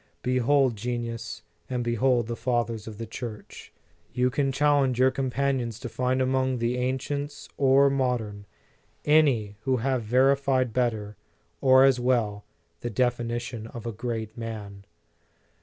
Behold genius, and behold the Fathers of the Church! You can challenge your compan In the Nineteenth Century. 43 ions to find among the ancients or modern, any who have verified better, or as well, the definition of a great man.